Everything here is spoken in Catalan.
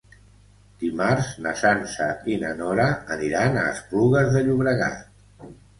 Dimarts na Sança i na Nora aniran a Esplugues de Llobregat.